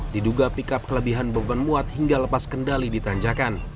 diduga pikap kelebihan beban muat hingga lepas kendali ditanjakan